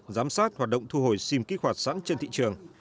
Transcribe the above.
giám sát hoạt động thu hồi sim kích hoạt sẵn trên thị trường